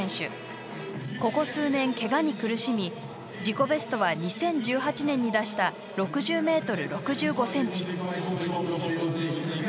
ここ数年ケガに苦しみ自己ベストは２０１８年に出した６０ｍ６５ｃｍ。